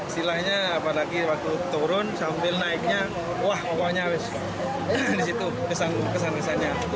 silanya apalagi waktu turun sambil naiknya wah pokoknya disitu kesan kesannya